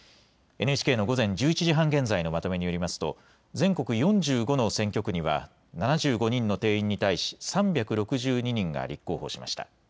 ＮＨＫの午前１１時半現在のまとめによりますと全国４５の選挙区には７５人の定員に対し３６２人が立候補しました。